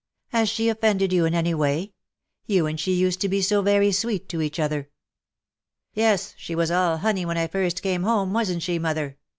" Has she offended you in any way ? You and she used to be so very sweet to each other.^^ " Yes, she was all honey when I first came home, wasn^t she, mother?"